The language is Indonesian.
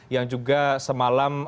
yang juga semalam